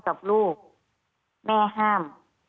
กับลูกแม่ห้าม